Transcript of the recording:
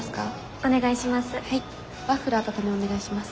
お願いします。